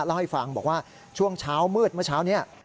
เล่าให้ฟังบอกว่าช่วงเช้ามืดเมื่อเช้านี้